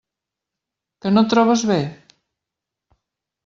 Que no et trobes bé?